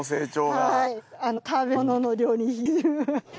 はい食べ物の量に。